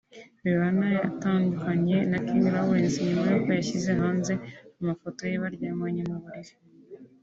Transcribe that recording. Juliana yatandukanye na King Lawarence nyuma y’uko yashyize hanze amafoto ye baryamanye mu buriri